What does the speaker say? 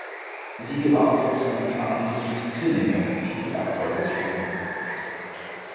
Sie gebar kurz nach ihrer Ankunft Zwillinge, die die Erbfolge sicherten.